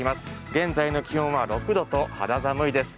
現在の気温は６度と肌寒いです。